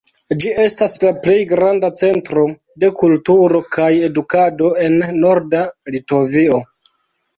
Ĝi estas la plej granda centro de kulturo kaj edukado en Norda Litovio.